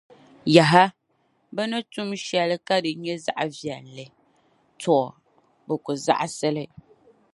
Yaha! Bɛ ni tum shɛlika di nyɛ zaɣivɛlli, tɔ! Bɛ ku zaɣisi li.